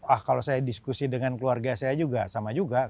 ah kalau saya diskusi dengan keluarga saya juga sama juga